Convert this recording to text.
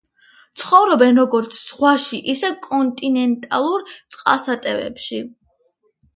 ცხოვრობენ როგორც ზღვაში, ისე კონტინენტალურ წყალსატევებში.